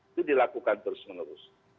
itu dilakukan terus menerus